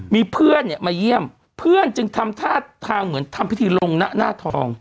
มีเพื่อนเนี่ยมาเยี่ยมเพื่อนจึงทำท่าทางเหมือนทำพิธีลงหน้าทอง